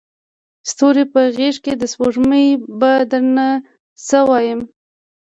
ستوري په غیږکي د سپوږمۍ به درته څه وایمه